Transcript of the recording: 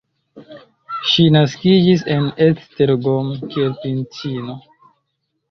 Ŝi naskiĝis en Esztergom, kiel princino.